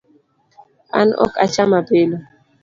An ok acham apilo